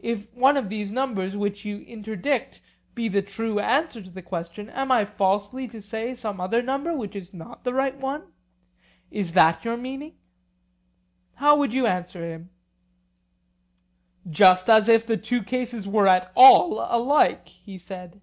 If one of these numbers which you interdict be the true answer to the question, am I falsely to say some other number which is not the right one?—is that your meaning?'—How would you answer him? Just as if the two cases were at all alike! he said.